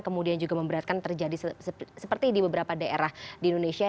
kemudian juga memberatkan terjadi seperti di beberapa daerah di indonesia